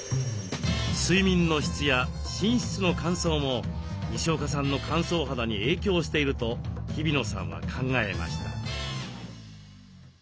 睡眠の質や寝室の乾燥もにしおかさんの乾燥肌に影響していると日比野さんは考えました。